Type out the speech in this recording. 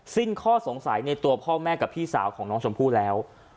สิ้นข้อสงสัยในตัวพ่อแม่กับพี่สาวของน้องชมพู่แล้ว